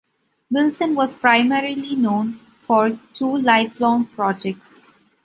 Wilson was primarily known for two lifelong projects.